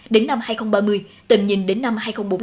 đến năm hai nghìn ba mươi tầm nhìn đến năm hai nghìn bốn mươi năm